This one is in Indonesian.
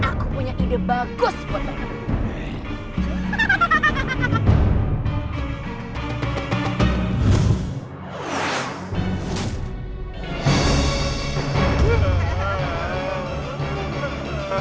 dan aku punya ide bagus buat kalian